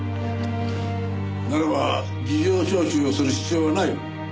ならば事情聴取をする必要はない。